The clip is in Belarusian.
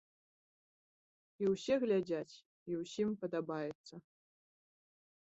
І ўсе глядзяць, і ўсім падабаецца.